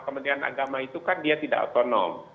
kementerian agama itu kan dia tidak otonom